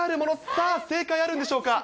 さあ、正解あるんでしょうか。